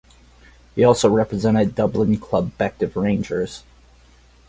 He also represented Dublin club Bective Rangers.